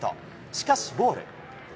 しかし、ボール。